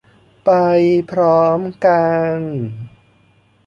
ไปพร้อมกัน